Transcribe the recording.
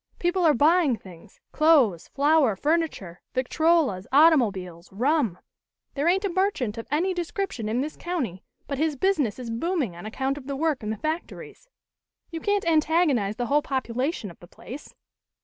People are buying things clothes, flour, furniture, victrolas, automobiles, rum. "There ain't a merchant of any description in this county but his business is booming on account of the work in the factories. You can't antagonize the whole population of the place.